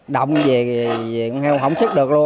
động về con heo không sức được luôn